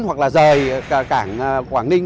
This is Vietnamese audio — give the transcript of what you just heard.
hoặc là rời cảng quảng ninh